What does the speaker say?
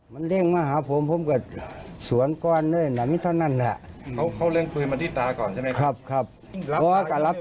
มันเล่นมาหาผมผมก็สวนกว้านด้วยน่ะนี่เท่านั้นค่ะเขาเล่น